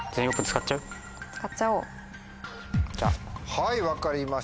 はい分かりました。